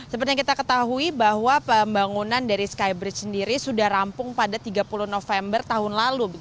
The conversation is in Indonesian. seperti yang kita ketahui bahwa pembangunan dari skybridge sendiri sudah rampung pada tiga puluh november tahun lalu